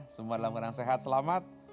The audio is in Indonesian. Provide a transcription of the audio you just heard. semua dalam keadaan sehat selamat